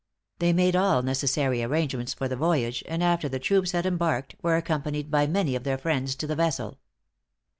They made all necessary arrangements for the voyage, and after the troops had embarked, were accompanied by many of their friends to the vessel.